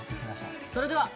それでは。